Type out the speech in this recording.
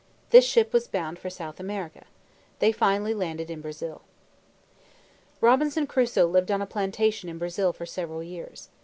This ship was bound for South America. They finally landed in Brazil. Robinson Crusoe lived on a plantation in Brazil for several years.